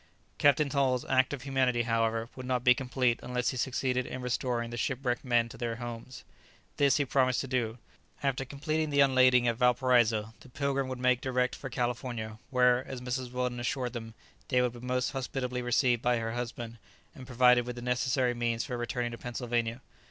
Captain Hull's act of humanity, however, would not be complete unless he succeeded in restoring the shipwrecked men to their homes. This he promised to do. After completing the unlading at Valparaiso, the "Pilgrim" would make direct for California, where, as Mrs. Weldon assured them, they would be most hospitably received by her husband, and provided with the necessary means for returning to Pennsylvania.